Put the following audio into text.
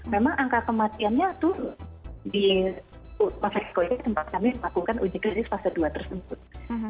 memang angka kematiannya tuh di masyarakat tempat kami melakukan uji klinis fase dua tersebut